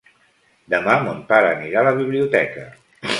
Demà mon pare anirà a la biblioteca.